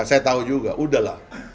saya tahu juga udahlah